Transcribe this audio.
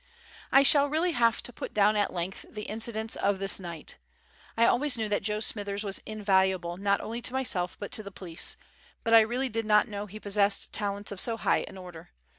I shall really have to put down at length the incidents of this night. I always knew that Joe Smithers was invaluable not only to myself but to the police, but I really did not know he possessed talents of so high an order.